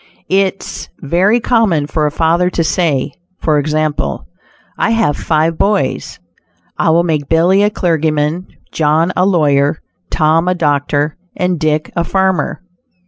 It very common for a father to say, for example: "I have five boys. I will make Billy a clergyman; John a lawyer; Tom a doctor, and Dick a farmer."